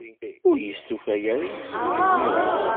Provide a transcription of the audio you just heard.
Ur yestufa ara yimsujji imir-a.